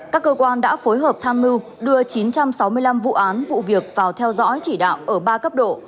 các cơ quan đã phối hợp tham mưu đưa chín trăm sáu mươi năm vụ án vụ việc vào theo dõi chỉ đạo ở ba cấp độ